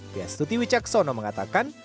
pia stuti wicaksono mengatakan